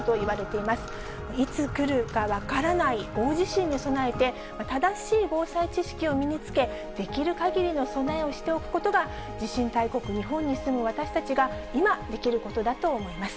いつ来るか分からない大地震に備えて、正しい防災知識を身につけ、できるかぎりの備えをしておくことが、地震大国、日本に住む私たちが今、できることだと思います。